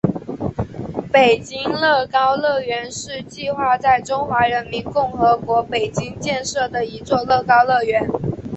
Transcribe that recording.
北京乐高乐园是计划在中华人民共和国北京建设的一座乐高乐园。